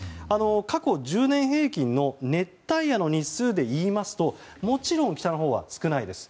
過去１０年平均の熱帯夜の日数で言いますともちろん北のほうは少ないです。